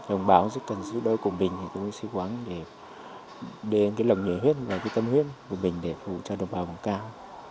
hồng bảo rất cần giúp đỡ của mình thì tôi cũng xin quán để đến cái lòng nhiệt huyết và cái tâm huyết của mình để phụ cho đồng bào còn cao